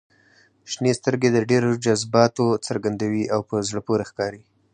• شنې سترګې د ډېر جذباتو څرګندوي او په زړه پورې ښکاري.